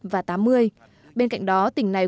và tám mươi bên cạnh đó tỉnh này